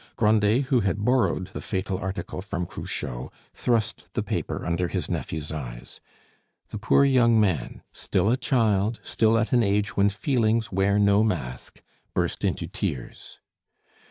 Grandet, who had borrowed the fatal article from Cruchot, thrust the paper under his nephew's eyes. The poor young man, still a child, still at an age when feelings wear no mask, burst into tears.